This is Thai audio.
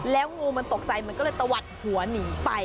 แล้วงูมันตกใจมันก็เลยตะวัดหัวหนีไป